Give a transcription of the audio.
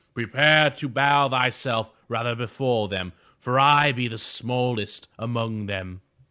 Prepare to bow thyself rather before them, for I be the smallest among them!"